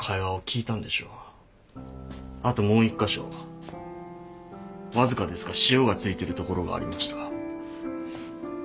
あともう１カ所わずかですが塩が付いてるところがありました。